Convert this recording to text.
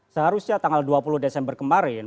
seharusnya tanggal dua puluh desember kemarin